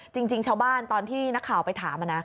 จริงชาวบ้านตอนที่นักข่าวไปถามนะ